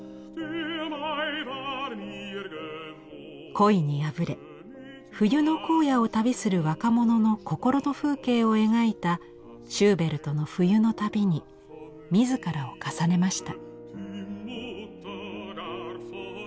恋に破れ冬の荒野を旅する若者の心の風景を描いたシューベルトの「冬の旅」に自らを重ねました。